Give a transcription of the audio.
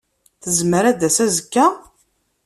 Tezmer ad d-tas azekka?